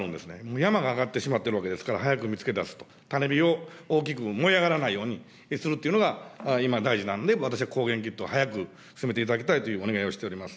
山が上がってしまっているわけですから、早く見つけ出すと、種火を大きく燃え上がらないようにするというのが、今、大事なんで、私は抗原キットを早く進めていただきたいというお願いをしております。